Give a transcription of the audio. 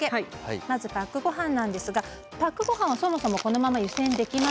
まずパックご飯なんですがパックご飯はそもそもこのまま湯煎できます。